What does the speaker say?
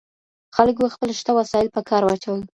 خلګو خپل شته وسایل په کار واچول.